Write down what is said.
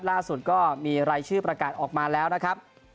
ล่าสุดก็มีรายชื่อประกาศออกมาแล้วนะครับ